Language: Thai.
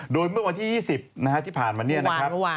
โดยเมื่อวันที่๒๐ที่ผ่านมา